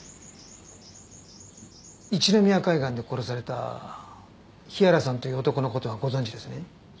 一宮海岸で殺された日原さんという男の事はご存じですね？